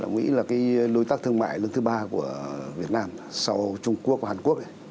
mỹ là đối tác thương mại lần thứ ba của việt nam sau trung quốc và hàn quốc